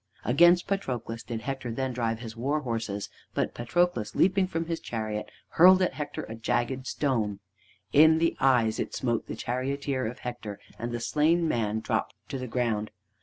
Against Patroclus did Hector then drive his war horses, but Patroclus, leaping from his chariot, hurled at Hector a jagged stone. In the eyes it smote the charioteer of Hector, and the slain man dropped to the ground.